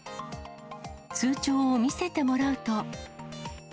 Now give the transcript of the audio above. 通帳を見せてもらうと。